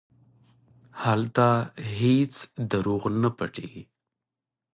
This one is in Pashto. هلته هېڅ دروغ نه پټېږي.